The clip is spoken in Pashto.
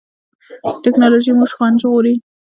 ټیکنالوژي مو ژوند ژغوري